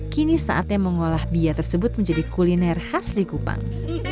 kini saatnya mengolah bia tersebut menjadi kuliner khas likupang